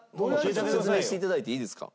説明して頂いていいですか？